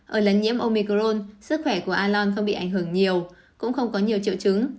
ở lần nhiễm omicron sức khỏe của alon không bị ảnh hưởng nhiều cũng không có nhiều triệu chứng